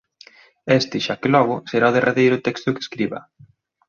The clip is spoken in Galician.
Este, xa que logo, será o derradeiro texto que escriba.